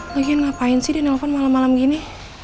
lagian ngapain sih dia nelfon malem malem gini